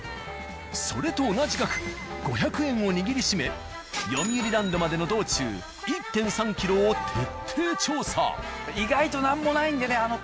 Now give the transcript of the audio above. それと同じ額５００円を握りしめよみうりランドまでの道中１．３キロを徹底調査。